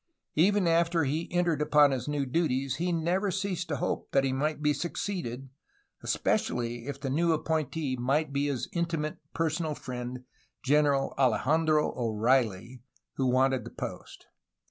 Even after he entered upon his new duties he never ceased to hope that he might be succeeded, espe cially if the new appointee might be his intimate personal friend General Alejandro O'Reilly, who wanted the post.